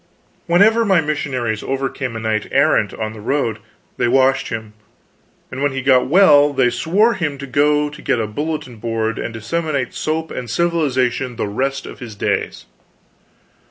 Whenever my missionaries overcame a knight errant on the road they washed him, and when he got well they swore him to go and get a bulletin board and disseminate soap and civilization the rest of his days.